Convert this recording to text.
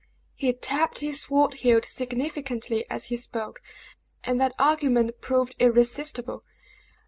He tapped his sword hilt significantly as he spoke, and that argument proved irresistible.